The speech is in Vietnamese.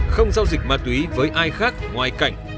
không giao dịch ma túy với ai khác ngoài cảnh